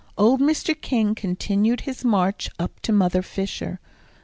Old Mr. King continued his march up to Mother Fisher.